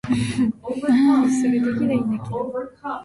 北海道羽幌町